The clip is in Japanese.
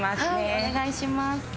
お願いします。